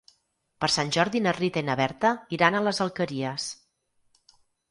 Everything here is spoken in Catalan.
Per Sant Jordi na Rita i na Berta iran a les Alqueries.